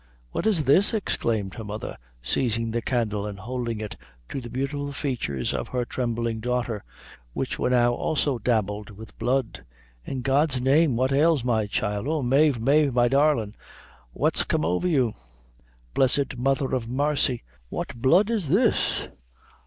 "What is this?" exclaimed her mother, seizing the candle and holding it to the beautiful features of her trembling daughter, which were now also dabbled with blood. "In God's name, what ails my child? O Mave, Mave, my darlin', what's come over you? Blessed mother of marcy, what blood is this?